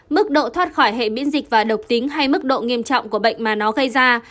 mức độ thoát khỏi hệ miễn dịch và độc tính hay mức độ nghiêm trọng của bệnh mà nó gây ra